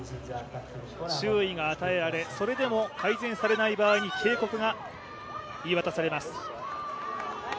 注意が与えられ、それでも改善されない場合に警告が言い渡されます。